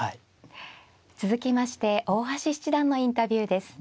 続きまして大橋七段のインタビューです。